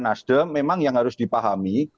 nasdem memang yang harus dipahami